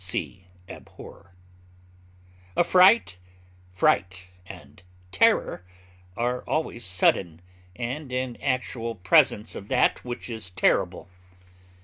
(See ABHOR.) Affright, fright, and terror are always sudden, and in actual presence of that which is terrible.